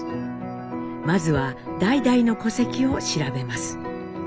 まずは代々の戸籍を調べます。